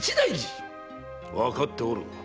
わかっておる。